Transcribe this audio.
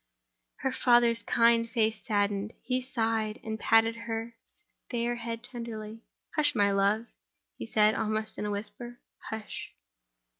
Her father's kind face saddened; he sighed, and patted her fair head tenderly. "Hush, my love," he said, almost in a whisper; "hush!"